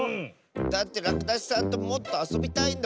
だってらくだしさんともっとあそびたいんだもん！